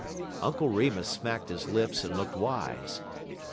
Uncle Remus smacked his lips and looked wise.